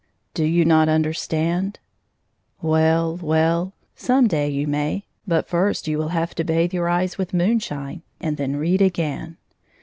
191 Do you not understand 1 Well, well; some day you may — but first you will have to bathe your eyes with moonshine and then read again.